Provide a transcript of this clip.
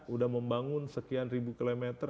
udah membangun sekian ribu kilometer